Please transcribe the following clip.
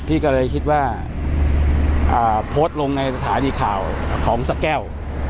พี่ก็เลยคิดว่าโพสต์ลงในสถานีข่าวของสะแก้ว